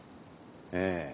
ええ。